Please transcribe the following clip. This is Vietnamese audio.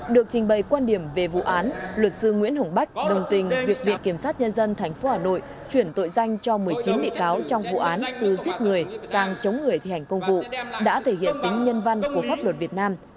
được trình bày quan điểm về vụ án luật sư nguyễn hồng bách đồng tình việc bị kiểm sát nhân dân tp hà nội chuyển tội danh cho một mươi chín bị cáo trong vụ án từ giết người sang chống người thi hành công vụ đã thể hiện tính nhân văn của pháp luật việt nam